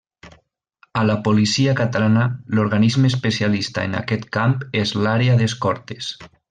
A la policia catalana l'organisme especialista en aquest camp és l'Àrea d'Escortes.